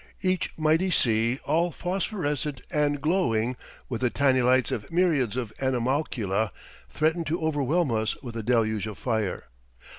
Each mighty sea, all phosphorescent and glowing with the tiny lights of myriads of animalculae, threatened to overwhelm us with a deluge of fire.